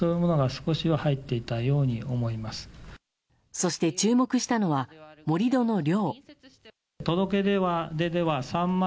そして注目したのは盛り土の量。